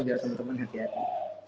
biar temen temen hati hati